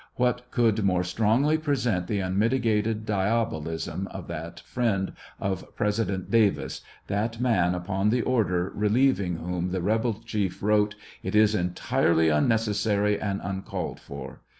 What could more strongly present the un mitigated diabolism of that friend of President Davis, that man upon the order relieving whom the rebel chief wrote :" It is entirely unnecessary and uncalled for